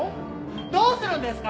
どうするんですか？